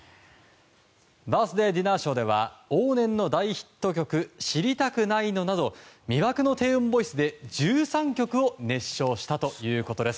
バースデーディナーショーでは往年の大ヒット曲「知りたくないの」など魅惑の低音ボイスで１３曲を熱唱したということです。